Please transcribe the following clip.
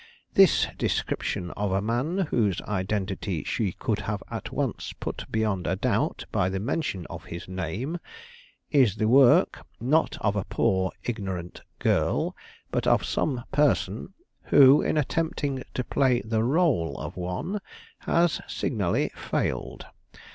This description of a man whose identity she could have at once put beyond a doubt by the mention of his name is the work, not of a poor, ignorant girl, but of some person who, in attempting to play the role of one, has signally failed.